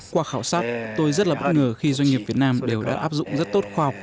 qua khảo sát tôi rất là bất ngờ khi doanh nghiệp việt nam đều đã áp dụng rất tốt khoa học